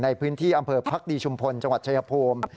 ในพื้นที่อำเภอพักดีชุมพลจังหวัดชายภูมิ